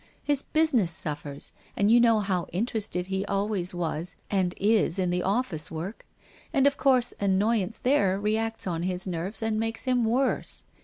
His business suffers, and you know how interested he always was and is in the office work, and of course annoyance there reacts on his nerves and makes him worse.